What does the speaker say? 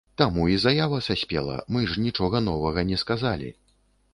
Таму і заява саспела, мы ж нічога новага не сказалі.